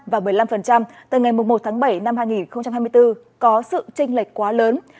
tám và một mươi năm từ ngày một mươi một tháng bảy năm hai nghìn hai mươi bốn có sự tranh lệch quá lớn